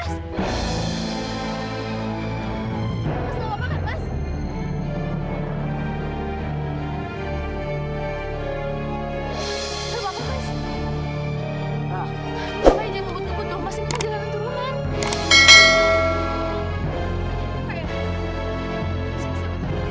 sampai jumpa di video selanjutnya